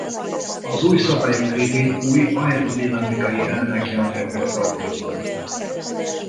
Az új szabályok révén új aerodinamikai elemek jelentek meg az autókon.